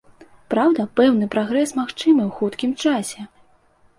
Праўда, пэўны прагрэс магчымы ў хуткім часе.